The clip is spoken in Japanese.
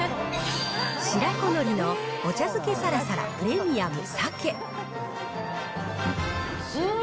白子のりのお茶漬けサラサラプレミアム鮭。